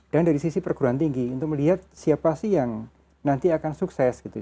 dan dari sisi perkuluan tinggi untuk melihat siapa sih yang nanti akan sukses gitu